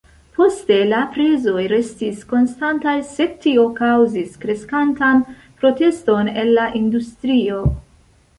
Poste la prezoj restis konstantaj, sed tio kaŭzis kreskantan proteston el la industrio.